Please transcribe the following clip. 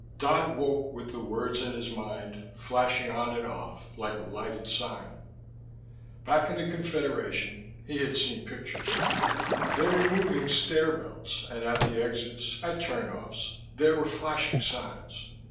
Dodd woke with the words in his mind, flashing on and off like a lighted sign. Back in the Confederation (he had seen pictures) there were moving stair belts, and at the exits, at turnoffs, there were flashing signs.